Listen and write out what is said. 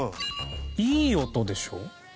いい音でしょ？